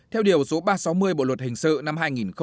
theo điều số ba trăm sáu mươi bộ luật hình sự năm hai nghìn một mươi năm